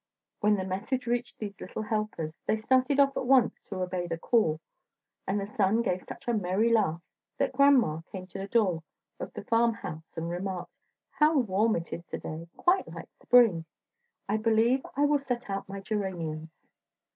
When the message reached these little helpers, they started off at once to obey the call, and the sun gave such a merry laugh, that Grandma came to the door of the farm house and remarked: "How warm it is today, quite like spring; I believe I will set out my geraniums."